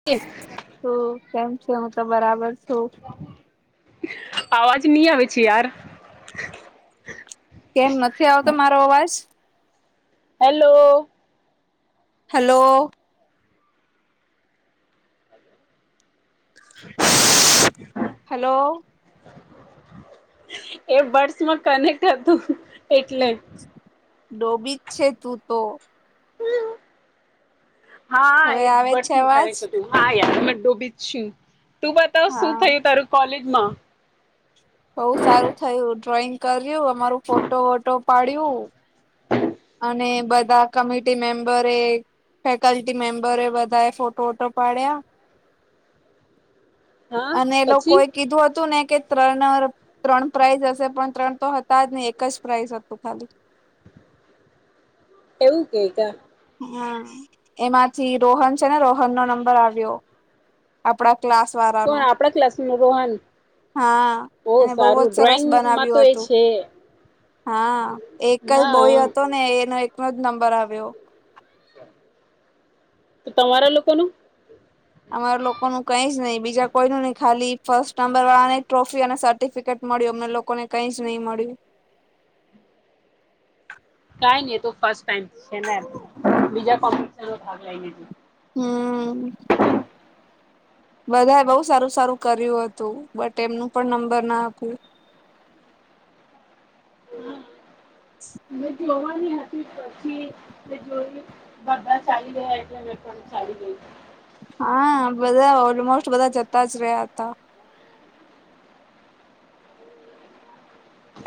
[unintelligible] તું કેમ છો? હું તો બરાબર છું. અવાજ નહી આવે છે યાર. કેમ નથી આવતો મારો અવાજ? હેલો હલો [inaudible] હેલો એ બર્ડસ માં કનેક્ટ હતું, એટલે ડોબી જ છે તું તો. હા, હવે એ આવે બરડ છે મા અવાજ કનેક્ત હતું. હા, યાર મે ડૂબીજ છું, તું બતાવ શું હા થયું તારું કોલેજમાં? બઉુ સારું થયું, ડ્રોઈંગ કર્યું, અમારું ફોટો વોટો પાડ્યું. અને બધા કમિટી મેમ્બરે. ફેકલ્ટી મેમ્બરો એ બધાએ ફોટો વોટો પાડ્યા, હા અને એ પછી લોકોએ કીધું હતું ને કે ત્રણ ત્રણ પ્રાાઈઝ હશે, પણ ત્રણ તો હતા જ નહી. એક જ પ્રાઇઝ હતું ખાલી. એવું કઈ કા હા, એમાંથી રોહન છે, ને રોહન નો નંબર આવ્યો, આપડા. ક્લાસ વારો કોણ આપણા ક્લાસ નો રોહન. હા બહુ એને જ સારું સરસ ડ્રોઈંગ માં તો બનાવ્યું એ હતું છે. હા, એક જ હા બોય હતો, ને એનો એકનો જ નંબર આવ્યો. તો તમારા લોકોનું? અમારા લોકો નું કઈ જ નહી, બીજા કોઈ નુ નહી, ખાલી ફર્સ્ટ નંબર વાળા ને ટ્રોફી અને સર્ટિફિકેટ મળ્યું, અમને લોકોને કઈજ નહી મળ્યું. કઈ નહિ એ તો ફર્સ્ટ ટાઈમ છે ને, બીજા કોમ્પશ ભાગ લઈ લેજે. હમ્મ બધાએ બહુ સારું સારું કર્યું હતું, બટ એમનું પણ નંબર ના આપ્યું. [unintelligible] પછી એ જોઈ બધા ચાલી ગયા એટલે મેં પણ ચાલી ગઈ. હા, બધા ઓલમોસ્ટ બધા જતા જ રહ્યા હતા.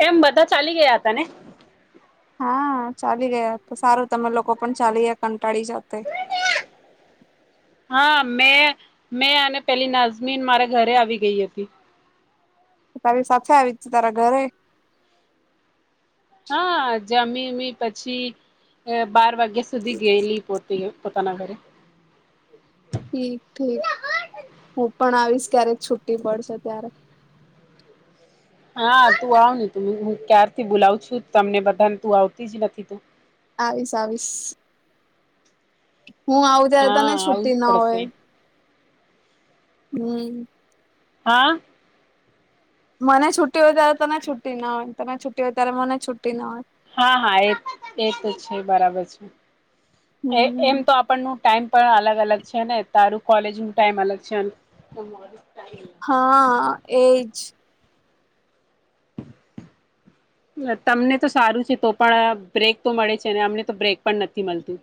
એમ બધા ચાલી ગયા હતા ને? હા, ચાલી ગયા, તો સારું તમે લોકો પણ ચાલી ગયા કંટાળી જાતે. હા, મેં મેં અને પેલી નાઝમીન મારા ઘરે આવી ગઈ હતી. તારી સાથે આવી હતી, તારા ઘરે. હા જમીમી, પછી બાર વાગ્યા સુધી ગયેલી પોત તે પોતાના ઘરે. ઠીક ઠીક હું પણ આવીશ ક્યારેક છુ્ટી પડશે ત્યારે હા તું આવને તું હું ક્યારથી બોલાવું છું તમને બધાને તું આવતી જ નથી તું આવીશ, આવીશ. હું આવુ ત્યારે હા તને આવું જ છુટી ના હોય. પડશે હમ્મ હા મને છુટ્ટી હોય ત્યારે તને છુ્ટી ના હોય તને છુ્ટ હો ત્યારે મને છુટ્ટી ના હોય. હા હા એ એ તો છે બરાબર છે. એ એમ હમ તો નું ટાઈમ પણ અલગ અલગ છે. ને તારું કોલેજ નું ટાઈમ અલગ છે. તમારું હા એજ [inaudible] તમને તો સારું છે તો પણ બ્રેક તો મળે છે. અમને તો બ્રેક પણ નથી મળતું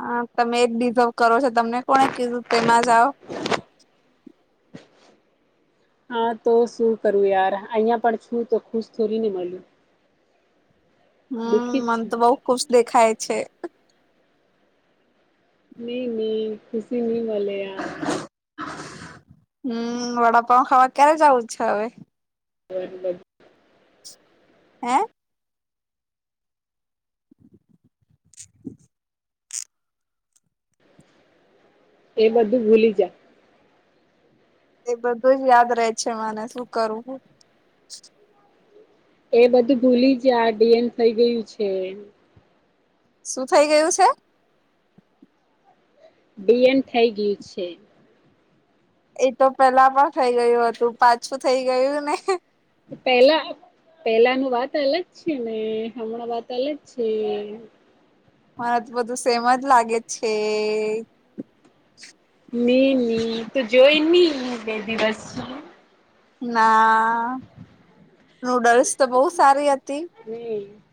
હા તમે એ જ ડિઝર્વ કરો છો તમને કોને કીધું તેમાં જાઓ હા તો શું કરું યાર અહિયાં પણ છું તો ખુશ થોડી ને મળ્યું. હમ દુઃખી જ મન છું તો બઉુ ખુશ દેખાય છે. નહી નહી ખુશી નહી મળલે. હમ વડાપાઉ ખાવા ક્યારે જવું છે. હવે હ [inaudible] હે [unintelligible] [unintelligible] એ બધું ભૂલી જાય! એ બધું જ યાદ રહે છે મને શું કરું. એ બધું ભૂલી જયા ડીએન થઈ ગયું છે. શું થઇ ગયું છે. બિએન થઈ ગયું છે. એ તો પેલા પણ થઇ ગયું હતું પાછું થઈ ગયું ને પેલા પેલા ન વાત અલગ છે ને હમણાં વાત અલગ છે. મને તો બધું સેમ જ લાગે છે. તું જોઈ નહી બે દિવસ હમ ના નૂડલ્સ તો બહુ સારી હતી હ [unintelligible]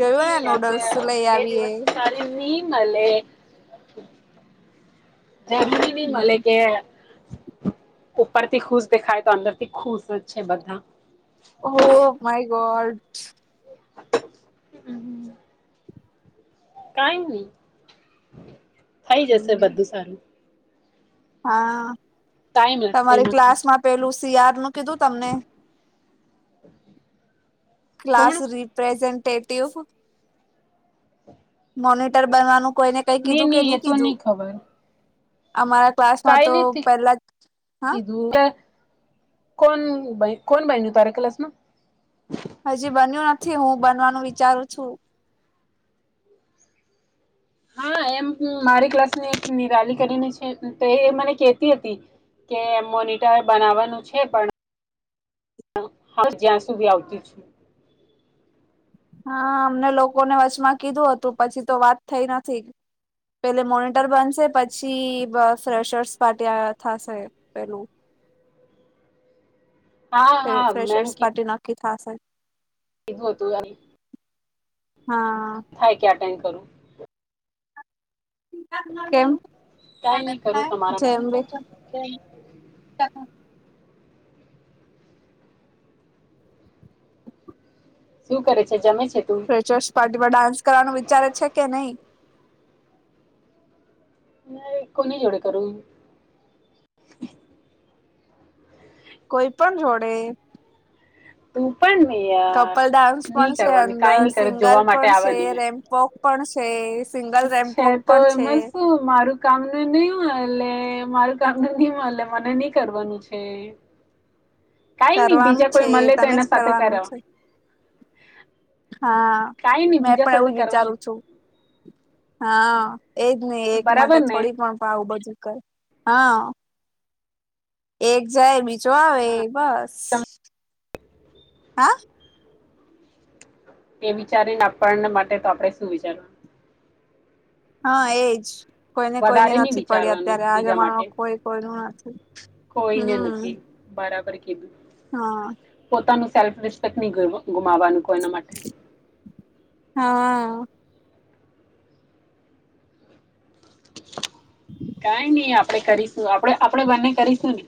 જોયું ને આપ નૂડલ્સ લઈ બે આવીએ દિવસ સારી ની મળલે- જમી ની મળ કે ઉપરથી ખુશ દેખાય તો અંદરથી ખુશ જ છે. બધા હો માય ગોડ- હમ કઈ ની થઈ જશે બધું સારું. હા ટાઈમ લાગશે તમારી એમાં ક્લાસ માં પેલું શિયાળ નું કીધું તમને હ [unintelligible] ક્લાસ રિપ્રેઝન્ટેટિવ- મોનિટર બનવાનું કોઈને કઈ ની કીધું કે ની એ નહી તો કીધું? ની અમારા ક્લાસ- કઈ નથી દર- કોણ કોણ બાઈની તાર ક્લાસમાં હજી બન્યું નથી હું બનવાનું વિચારું છું. હા એમ મારી ક્લાસ નીરાલી કરીને છે. તો એ મને કેતી હતી. કે એ મોનિટર બનાવાનું છે. પણ હા જ્યાં સુધી આવતી છું. હા અમને લોકોને વચમાં કીધું હતું પછી તો વાત થઈ નથી. પેલે મોનિટર બનશે પછી બ ફ્રેશર્સ પાટી થશે પેલું. હા હા મેમ ફસપટી નાકી થશે કીધું હતું હા થાય કે એટેન્ડ કરું. કેમ કઈ નહી કરું તમારા માટે જેમ શું કરે છે જમે છે તું? ચર્સ પાર્ટી માં ડાન્સ કરવાનું વિચારે છે. કે નહી ના કોની જોવડે કરું. કોઈ પણ જોડે? તું પણ નહીંય કપલ ડાન્સ પણ છે અંદર સિંગલ જોવા માટે પણ છે આવવાની મેં રેમ્પપોક પણ છે. સિંગલ છે રેમ્પોક તો પણ છે એમાં શું મારું. કામ ન નહી મળ મારું કામ ન ન મળ મને નઈ કરવાનું છે. [inaudible] કઈ નહી કરવાનું બીજા છે કોઈ મળે તો તને જ એના સાથે કરવાનું કરાવ છે હા. કઈ નહી મેં બીજા પણ સાથે એવું જ કરવાની વિચારું છું. હા એજ નહીિ એક માટે બરાબર ને થોડી પણ પાાવું બધું કર હા. એક જાય બીજો આવે બસ હા. એ વિચારીને આપણ માટે તો આપડણે શું વિચાર હા એજ કોઈ ને કોઈની વધારે નહી નથી પડી વિચારવાનું અત્યારે આ બીજા માટે જમાનામાં કોઈ કોઈ ન નથી, કોઈને હમ. નથી બરાબર, કીધું. હા. પોતાનું સેલ્ફ રિસ્પેક્ટ નહી ગુમાવાનું કોઈ એના માટે. હા. કઈ નઈ આપડે કરીશું આપડે આપડે બંને કરીશું ને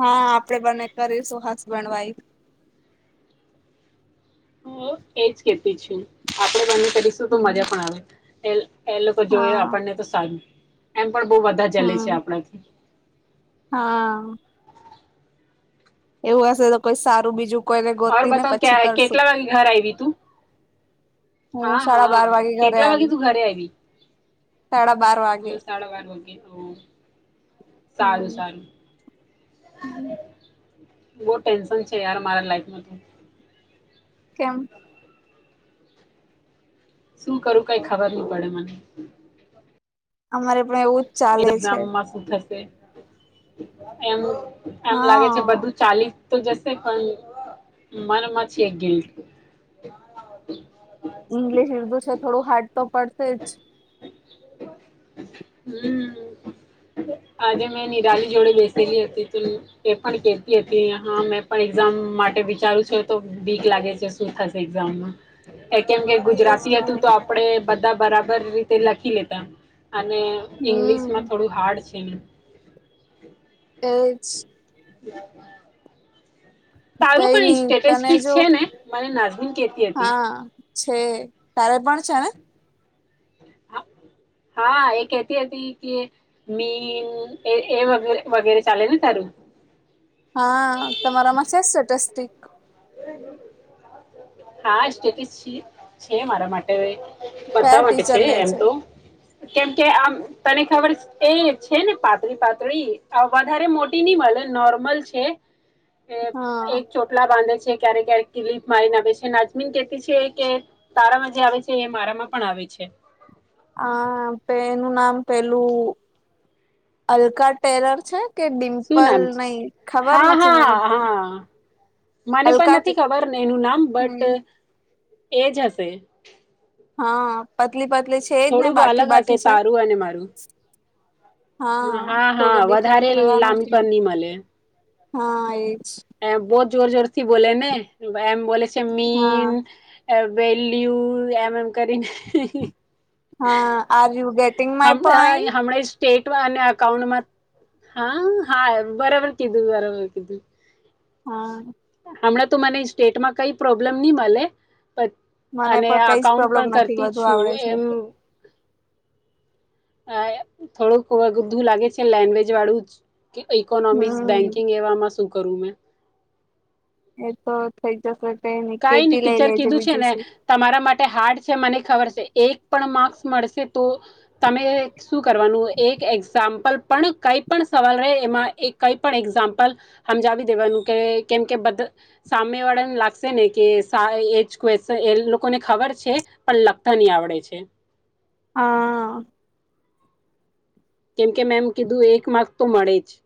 હા આપડે બને કરીશું હસ બણવાઈ. હ એજ કેતી છું આપડે બંધ કરીશું તો હમ મજા પણ આવે. એ એ લોકો જોય હા આપણને તો સારું એમ પણ બહ બધા જલે છે, હમ આપણા. હા. એવું હશે તો કોઈ સારું બીજું કોઈને ઓર ગોતી ને બતાવ પછી ક્યા કરશું. કેટલા વાગે ઘર આયવી તું હું હા સાડા હા બાર વાગે કેટલા વાગે તું ઘરે આવી તડા બારવા હમ સાડા બાર વાગે ઓ સારું. હમ સારું. બહ ટેન્શન છે યાર મારા લાઈફમાં તો કેમ? શું કરું કઈ ખબર નહી પડે મને. અમારે પણ એવું જ ચાલે એ છે ગામમાં શું થશે એમ એમ લાગે છે હા બધું જ ચાલીસ તો જશે પણ મનમાંથી એક ગિલ્ટ ઈંગ્લિશ ર્દુ છે થોડું હાર્ડ તો પડશે જ હમ આજે મેં નિરાલી જોડે બેસીતીલી હતી ત એ પણ કેતી હતી હા મેં પણ એક્ઝામ માટે વિચારું છું તો વીક લાગે છે શું થશે એક્ઝામમાં એ કેમ કે એજ ગુજરાતી ને. હતું તો આપડે બધા બરાબર રીતે લખી લેતા અને ઈંગ્લિશમાં હમ થોડું હાર્ડ છે. એસ. હ. કઈ નહ તને સ્ટેટિસ્ટિક જો છે ને મને નાઝમીન કેતી હતી હા. છે તારે પણ છે ને હા એ કેહેતી હતી કે મીન એ એ વગેરે ચાલેને તારું હા તમારામાં છે સટસ્ટી હમ. હા સ્ટેટ છે મારા માટે કયા બતા માટે ટીચર છે લે એમ તો કેમ કે આમ તને ખબર એ છે, ને પાતળી પાતળી વધારે મોટી નહી મળે નોર્મલ છે. હા એક ચોટલા બાંધે છે ક્યારેક ક્યારેક કિલીફ મારીને બે. નાચમીન કેતી છે કે તારામાં જે આવે છે એ મારામાં પણ આવે છે. આ પ એનું નામ પેલું અલકા પેરર છે કે શું ડિમ્પલ નામ છે નહી ખબર હા નથી મને હા પણ હા મને પણ અલકા નથી ખબરને એનું નામ બટ હમ એજ હશે હા પતલી પતલી છે એજ ને થોડુંક બાઠી અલગ હશે બાઠી છે. તારું અને મારું હા થો તો હા ડિફરન્ટ વધારે રહેવાનું લાંબી ને પણ નહી હા એ જ એ બહ જોર જોરથી બને એમ બ છે હા મીન વેલ્યુ એમ એમ કરીને હા are you getting my hmm point. હમણાં સ્ટેટમાં અને અઉન્ટમાં હા હા બરાબર કીધું બરાબર કીધું. હા. હમણાં તો મને સ્ટેટમાં કઈ પ્રોબ્લેમ નહી મળે પછી. મને અને પણ કઈ જ અકાઉન્ટ પ્રોબ્લેમ પણ નથી કરતી જ બધુ છું આવડે છે. એમ હા થોડુંક બધું લાગે છે લેન્ંગવેજ વાળું જ કે ઈકોનોમિક્સ હમ્મ. બેન્કિંગ એમાં શું કરું મેં એ તો થઈ જશે તો કાંઈ નહી કેટી લઈ ટીચર લેજે કીધું છે બીજું ને શું. તમારા માટે હાર્ડ છે મને ખબર છે એક પણ માર્ક્સ મળશે તો તમે શું કરવાનું એક એક્ઝામ્પલ પણ કઈ પણ સવાલ રહે એમાં એક કઈ પણ એક્ઝામ્પલ સમજાવી દેવાનું કે કેમ કે બધા સામેવાળાને લાગે ને કે એજ ક્વેશ એ લોકોને ખબર છે પણ લખતા નહી આવડે છે. હા. કેમ કે મેમ કીધું એક માર્ક તો મળે છે.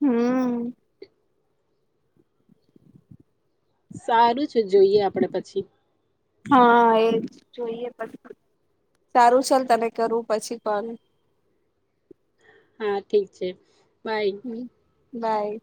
હમ. સારું છે જોઈએ આપણે પછી. હા એજ જોઈએ પછી સારું છે તને કરવું પછી કોલ. હા ઠીક છે બાય. હ બાય.